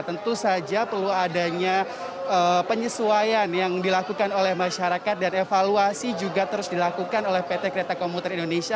tentu saja perlu adanya penyesuaian yang dilakukan oleh masyarakat dan evaluasi juga terus dilakukan oleh pt kereta komuter indonesia